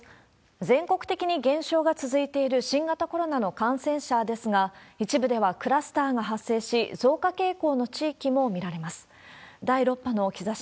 全国的に減少が続いている新型コロナの感染者ですが、一部ではクラスターが発生し、増加傾向の地域も見られます。